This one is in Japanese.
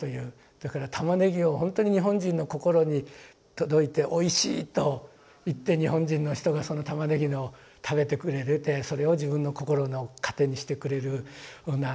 だから玉ねぎをほんとに日本人の心に届いて「おいしい」と言って日本人の人がその玉ねぎの食べてくれててそれを自分の心の糧にしてくれるようななんか救いにしてくれる。